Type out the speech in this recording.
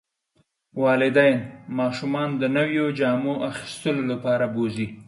والدین ماشومان د نویو جامو اخیستلو لپاره بوځي.